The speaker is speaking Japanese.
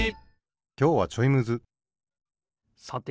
きょうはちょいむずさて